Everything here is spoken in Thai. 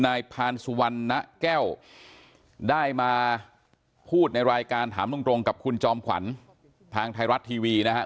นายพานสุวรรณนะแก้วได้มาพูดในรายการถามตรงกับคุณจอมขวัญทางไทยรัฐทีวีนะฮะ